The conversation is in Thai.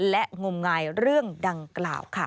และงมงายเรื่องดังกล่าวค่ะ